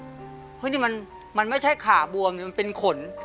เพราะนี่มันไม่ใช่ขาบวมมันเป็นขน